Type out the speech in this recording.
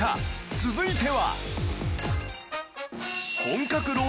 続いては